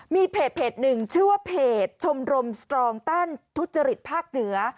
มีเพจหนึ่งชื่อว่าเพจชมรมสตรองต้านทุจริตภาคเหนือ